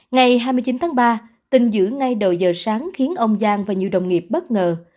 ngày hai mươi chín tháng ba tình giữ ngay đầu giờ sáng khiến ông giang và nhiều đồng nghiệp bất ngờ